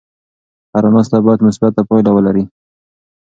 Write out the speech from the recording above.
هره ناسته باید مثبته پایله ولري.